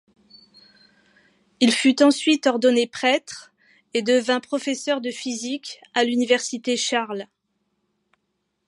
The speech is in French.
Il fut ensuite ordonné prêtre et devint professeur de physique à l'Université Charles.